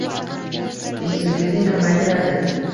ishsizlikni kamaytiradi